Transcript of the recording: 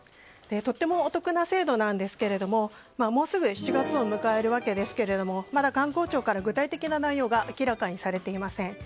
とてもお得な制度なんですがもうすぐ７月を迎えるわけですけどもまだ観光庁から具体的な内容が明らかにされていません。